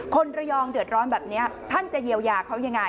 คนระยองเดือดร้อนแบบนี้ท่านจะเยียวยาเขายังไง